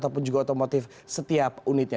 ataupun juga otomotif setiap unitnya